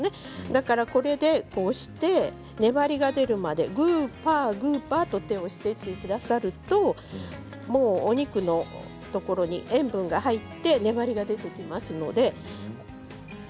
だからこれでこうして粘りが出るまでグーパーグーパーと手をしていただくとお肉のところに塩分が入って粘りが出てきますので。